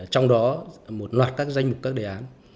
trong đó một loạt các danh mục các đề án